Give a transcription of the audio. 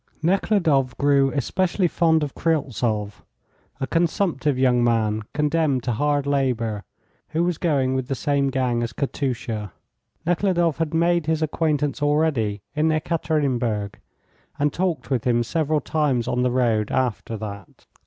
Nekhludoff grew especially fond of Kryltzoff, a consumptive young man condemned to hard labour, who was going with the same gang as Katusha. Nekhludoff had made his acquaintance already in Ekaterinburg, and talked with him several times on the road after that.